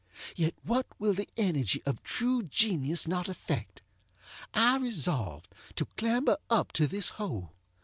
Yet what will the energy of true genius not effect? I resolved to clamber up to this hole.